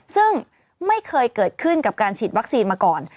ซึ่งไม่เคยเกิดขึ้นกับการฉีดวัคซีนมาก่อน